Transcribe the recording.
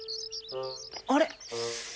あれ？